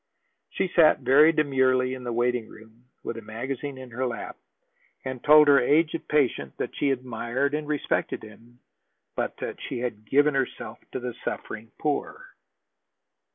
She sat very demurely in the waiting room with a magazine in her lap, and told her aged patient that she admired and respected him, but that she had given herself to the suffering poor.